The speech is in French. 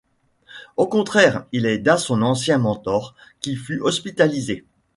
Au contraire, il aida son ancien mentor, qui fut hospitalisé.